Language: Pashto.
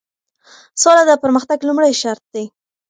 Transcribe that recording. سوله د پرمختګ لومړی شرط دی.